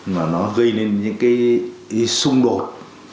mà nó gây nên những cái xung đột